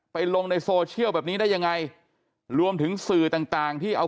ลงในโซเชียลแบบนี้ได้ยังไงรวมถึงสื่อต่างต่างที่เอา